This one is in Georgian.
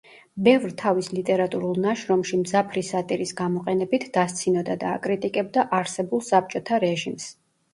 ბევრ თავის ლიტერატურულ ნაშრომში მძაფრი სატირის გამოყენებით დასცინოდა და აკრიტიკებდა არსებულ საბჭოთა რეჟიმს.